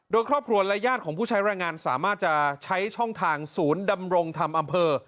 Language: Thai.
โดยครอบครัวและญาติของผู้ใช้แรงงานสามารถจะใช้ช่องทางศูนย์ดำรงธรรมอำเภอ